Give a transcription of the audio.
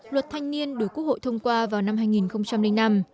luật thanh niên được quốc hội thông qua vào năm hai nghìn năm